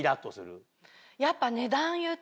やっぱ。